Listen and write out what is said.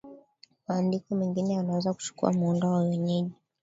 maandiko mengine yanaweza kuchukua muundo wa wenyeji